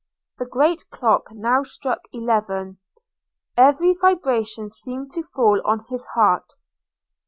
The great clock now struck eleven: every vibration seemed to fall on his heart.